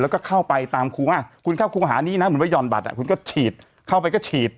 แล้วก็เข้าไปตามครูว่าคุณเข้าครูหานี้นะเหมือนว่าห่อนบัตรคุณก็ฉีดเข้าไปก็ฉีด